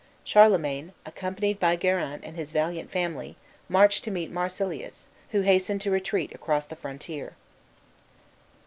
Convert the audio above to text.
Charlemagne, accompanied by Guerin and his valiant family, marched to meet Marsilius, who hastened to retreat across the frontier.